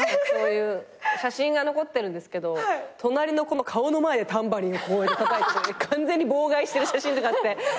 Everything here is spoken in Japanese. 写真が残ってるんですけど隣の子の顔の前でタンバリンをこうやってたたいてて完全に妨害してる写真とかあって。